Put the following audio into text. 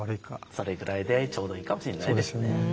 それぐらいでちょうどいいかもしれないですね。